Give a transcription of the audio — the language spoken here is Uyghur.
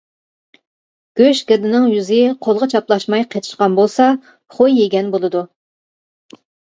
گۆشگىردىنىڭ يۈزى قولغا چاپلاشماي قېتىشقان بولسا خۇي يېگەن بولىدۇ.